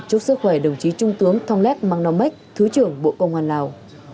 thưa khỏe đồng chí trung tướng thong lét mang nong bách thứ trưởng bộ công an lào